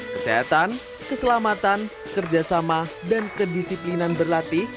kesehatan keselamatan kerjasama dan kedisiplinan berlatih